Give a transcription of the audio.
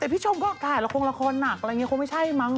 แต่พี่ชมก็ถ่ายละครละครหนักอะไรอย่างนี้คงไม่ใช่มั้ง